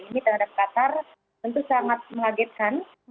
ini terhadap qatar tentu sangat mengagetkan